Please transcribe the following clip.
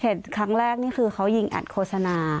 ครั้งแรกนี่คือเขายิงอัดโฆษณา